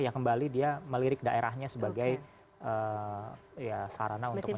ya kembali dia melirik daerahnya sebagai sarana untuk mencari